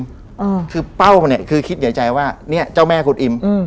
อ่าคือเป้าเนี้ยคือคิดใหญ่ใจว่าเนี้ยเจ้าแม่คุณอิมอืม